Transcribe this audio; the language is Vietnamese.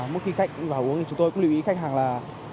mỗi khi khách vào uống thì chúng tôi cũng lưu ý khách hàng là